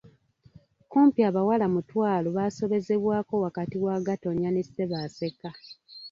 Kumpi abawala mutwalo baasobozebwako wakati wa Gatonnya ne Ssebaaseka.